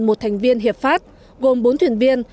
một thành viên hiệp pháp gồm bốn thuyền viên